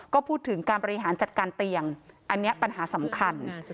ก็พูดถึงการบริหารจัดการเตียงอันนี้ปัญหาสำคัญ